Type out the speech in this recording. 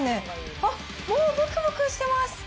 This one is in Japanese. あっ、もうぶくぶくしてます。